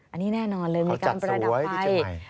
อันนี้แน่นอนเลยมีการประดับไฟ